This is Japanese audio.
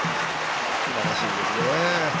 すばらしいですね。